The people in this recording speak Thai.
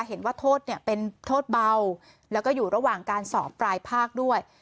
เห็นว่าโทษเนี่ยเป็นโทษเบาแล้วก็อยู่ระหว่างการสอบปลายภาคด้วย